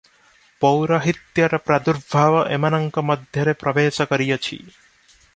ପୌରହିତ୍ୟର ପ୍ରାଦୁର୍ଭାବ ଏମାନଙ୍କ ମଧ୍ୟରେ ପ୍ରବେଶ କରିଅଛି ।